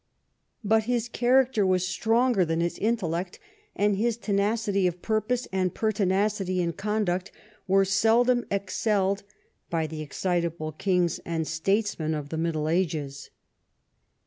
But his character was stronger than his intellect, and his tenacity of purjDOse and pertinacity in conduct were seldom excelled by the excitable kings and statesmen of the Middle Ages.